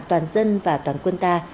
toàn dân và toàn quân ta